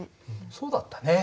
そうだったね。